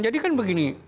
jadi kan begini